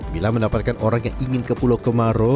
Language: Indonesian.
bila mendapatkan orang yang ingin ke pulau kemaro